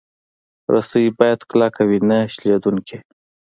رسۍ باید کلکه وي، نه شلېدونکې.